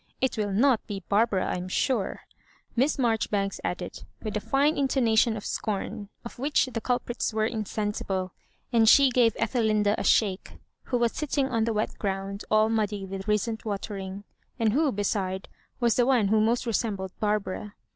It will not be Barbara, I am sure," Miss Marjoribanks added, with a fine intonation of scorn, of which the culprits were insensible ; and she gave Ethelinda a shake, who was sitting on the wet ground, all muddy with recent watering, and who, beside, was the one who most resem bled Barbara.